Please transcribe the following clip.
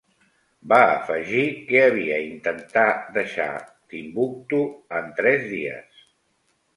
Va afegir que havia intentar deixar Timbuktu en tres dies.